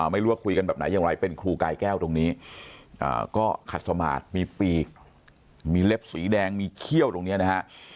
ไม่รู้ว่าคุยกันแบบไหนอย่างไรเป็นครูกายแก้วตรงนี้ก็ขัดสมาธิมีปีกมีเล็บสีแดงมีเขี้ยวตรงนี้นะฮะ